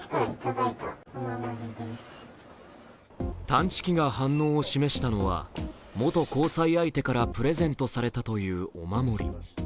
探知機が反応を示したのは、元交際相手からプレゼントされたというお守り。